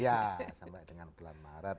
ya sampai dengan bulan maret